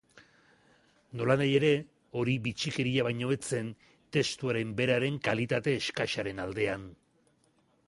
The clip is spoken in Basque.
Nolanahi ere, hori bitxikeria baino ez zen testuaren beraren kalitate eskasaren aldean.